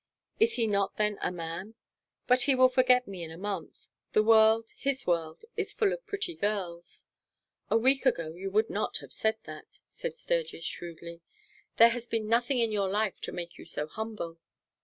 Is he not then a man? But he will forget me in a month. The world, his world, is full of pretty girls." "A week ago you would not have said that," said Sturgis shrewdly. "There has been nothing in your life to make you so humble."